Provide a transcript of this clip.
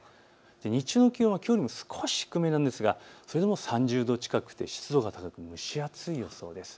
日中の気温はきょうより少し低めなんですがそれでも３０度近くて湿度が高く蒸し暑い予想です。